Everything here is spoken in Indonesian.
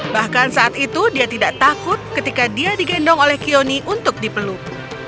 bahkan saat itu dia tidak takut ketika dia digendong oleh kioni untuk dipeluk